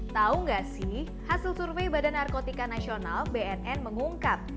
tahu nggak sih hasil survei badan narkotika nasional bnn mengungkap